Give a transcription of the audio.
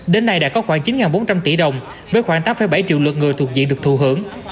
đến nay đã có khoảng chín bốn trăm linh tỷ đồng với khoảng tám bảy triệu lượt người thuộc diện được thù hưởng